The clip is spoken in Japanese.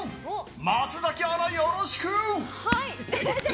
松崎アナ、よろしく！